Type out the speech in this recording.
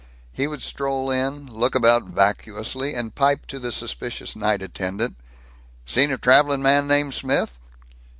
He would stroll in, look about vacuously, and pipe to the suspicious night attendant, "Seen a traveling man named Smith?"